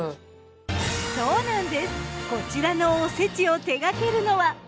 そうなんですこちらのおせちを手がけるのは。